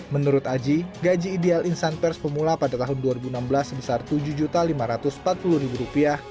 menurut aji gaji ideal insan pers pemula pada tahun dua ribu enam belas sebesar rp tujuh lima ratus empat puluh